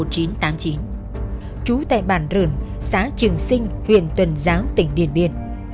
trú tại bản rửn xã trường sinh huyện tuần giáo tỉnh điền biên